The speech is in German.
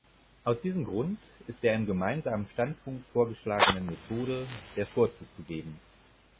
Aus diesem Grund ist der im Gemeinsamen Standpunkt vorgeschlagenen Methode der Vorzug zu geben.